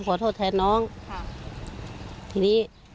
อันคราชนินที่นี้